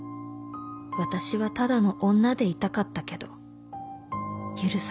「私はただの女でいたかったけど許されない」